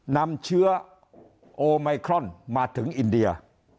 นำเชื้อโอไมครอนมาถึงอินเดีย